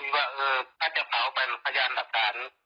ว่าเออถ้าจะเผาเป็นพยานหลักฐาน